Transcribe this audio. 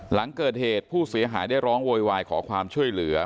หลังเกิดเหตุผู้เสียหายได้ร้องโวยวายขอความช่วยเหลือ